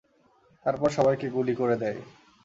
তারপর সবাইকে গুলি করে দেয়।